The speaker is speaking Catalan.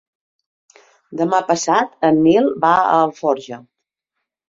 Demà passat en Nil va a Alforja.